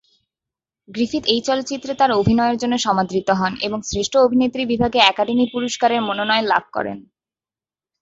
Griffith এই চলচ্চিত্রে তার অভিনয়ের জন্য সমাদৃত হন এবং শ্রেষ্ঠ অভিনেত্রী বিভাগে একাডেমি পুরস্কারের মনোনয়ন লাভ করেন।